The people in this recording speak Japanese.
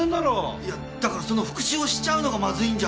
いやだからその復讐をしちゃうのがまずいんじゃ。